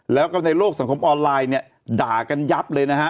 แล้วก็ในโลกสังคมออนไลน์เนี่ยด่ากันยับเลยนะฮะ